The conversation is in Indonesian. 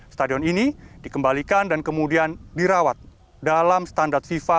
stadion ini dikembalikan dan kemudian dirawat dalam standar fifa